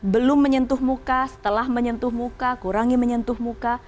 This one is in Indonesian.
belum menyentuh muka setelah menyentuh muka kurangi menyentuh muka